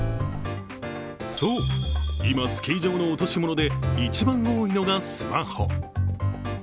そう、今スキー場の落とし物で一番多いのがスマホ。